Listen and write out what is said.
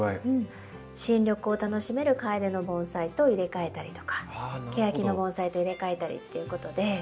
新緑を楽しめるカエデの盆栽と入れ替えたりとかケヤキの盆栽と入れ替えたりっていうことで。